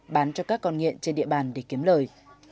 bán cho các con nghiện trên địa bàn để kiếm lời